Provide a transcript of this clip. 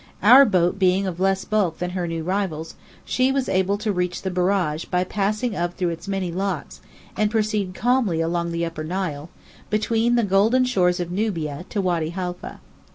Our boat being of less bulk than her new rivals, she was able to reach the Barrage by passing up through its many locks and proceed calmly along the Upper Nile, between the golden shores of Nubia, to Wady Haifa.